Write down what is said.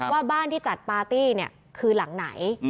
ว่าบ้านที่จัดปาร์ตี้คือหลังไหน